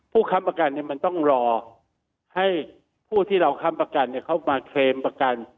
ค้ำประกันมันต้องรอให้ผู้ที่เราค้ำประกันเข้ามาเคลมประกัน